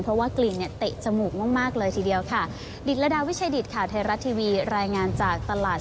เพราะว่ากลิ่นเนี่ยเตะจมูกมากเลยทีเดียวค่ะ